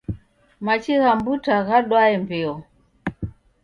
Machi gha mbuta ghadwae mbeo